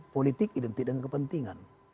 politik identik dengan kepentingan